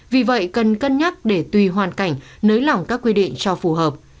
vì vậy cần cân nhắc để tùy hoàn cảnh nới lỏng các quy định cho phù hợp